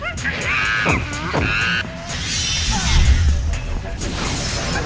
aku sudah sendirikan